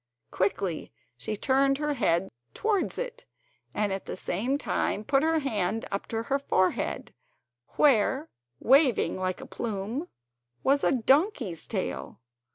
Quickly she turned her head towards it, and at the same time put her hand up to her forehead, where, waving like a plume, was a donkey's tail.